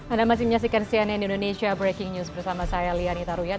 anda masih menyaksikan cnn indonesia breaking news bersama saya lianita ruyan